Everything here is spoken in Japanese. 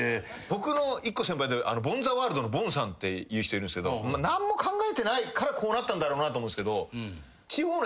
僕の１個先輩でボンざわーるどのボンさんっていう人いるんですけど何も考えてないからこうなったんだろうなと思うんですけど。